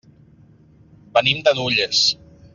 Venim de Nulles.